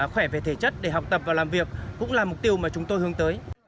khỏe về thể chất để học tập và làm việc cũng là mục tiêu mà chúng tôi hướng tới